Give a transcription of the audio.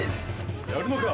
・やるのか？